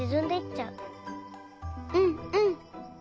うんうん。